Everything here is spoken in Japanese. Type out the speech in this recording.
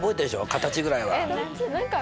形ぐらいは。